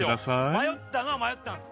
迷ったのは迷ったんです。